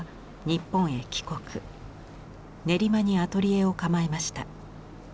練馬にアトリエを構えました。